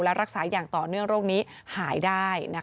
และรักษาอย่างต่อเนื่องโรคนี้หายได้